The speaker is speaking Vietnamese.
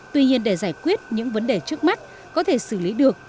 tuy nhiên để giải quyết những vấn đề trước mắt có thể xử lý được